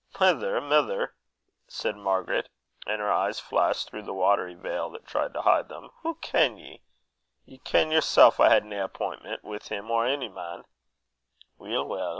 "Mither! mither!" said Margaret, and her eyes flashed through the watery veil that tried to hide them, "hoo can ye? Ye ken yersel I had nae appintment wi' him or ony man." "Weel, weel!"